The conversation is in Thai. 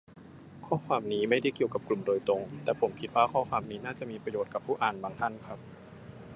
ข้อความนี้ไม่ได้เกี่ยวกับกลุ่มโดยตรง แต่ผมคิดว่าข้อความนี้น่าจะมีประโยชน์กับผู้อ่านบางท่านครับ